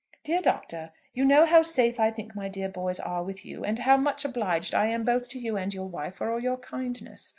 "DEAR DOCTOR, You know how safe I think my dear boys are with you, and how much obliged I am both to you and your wife for all your kindness.